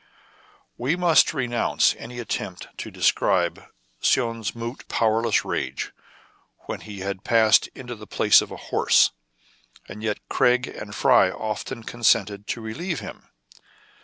We must renounce any attempt to describe Soun's mute, powerless rage, when he had passed into the place of a horse. And yet Craig and Fry often consented to relieve him.